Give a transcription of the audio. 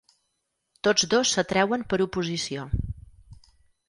Tots dos s’atreuen per oposició.